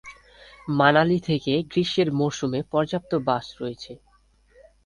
মানালি থেকে গ্রীষ্মের মরসুমে পর্যাপ্ত বাস রয়েছে।